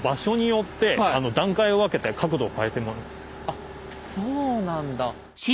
あっそうなんだ。